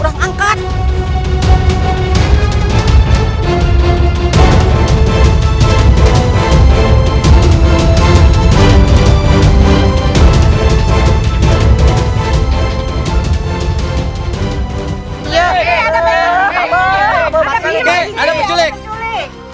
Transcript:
tenang terima kasih